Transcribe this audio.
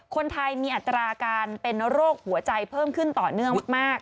คนไทยมีอัตราการเป็นโรคหัวใจเพิ่มขึ้นต่อเนื่องมาก